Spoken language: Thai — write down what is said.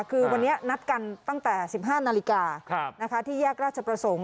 คือวันนี้นัดกันตั้งแต่๑๕นาฬิกาที่แยกราชประสงค์